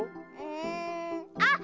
んあっ